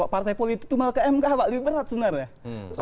partai politik itu malah ke mk pak lebih berat sebenarnya